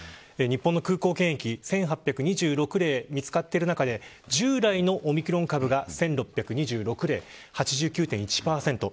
日本の空港検疫１８２６例見つかった中で従来のオミクロン株が１６２６８９．１％。